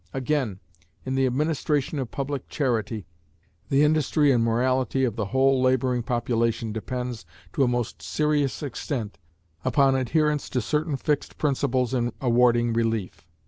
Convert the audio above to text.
Again, in the administration of public charity, the industry and morality of the whole laboring population depends, to a most serious extent, upon adherence to certain fixed principles in awarding relief.